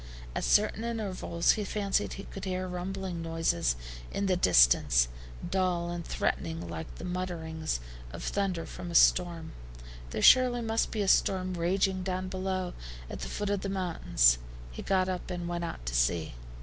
At certain intervals he fancied he could hear rumbling noises in the distance, dull and threatening like the mutter ings of thunder before a storm. There surely must be a storm raging down below at the foot of the mountains. He got up and went out to see.